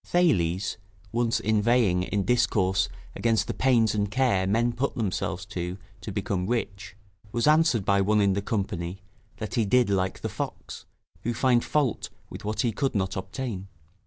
Thales, once inveighing in discourse against the pains and care men put themselves to to become rich, was answered by one in the company, that he did like the fox, who found fault with what he could not obtain.